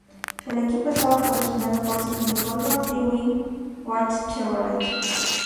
El equipo estaba patrocinado por Sidney Goldberg y Jim White Chevrolet.